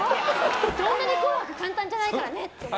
そんなに「紅白」簡単じゃないからねって。